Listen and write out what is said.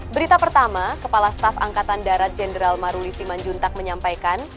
berita pertama kepala staf angkatan darat jenderal maruli simanjuntak menyampaikan